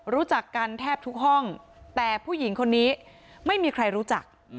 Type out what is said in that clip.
รู้จักกันแทบทุกห้องแต่ผู้หญิงคนนี้ไม่มีใครรู้จัก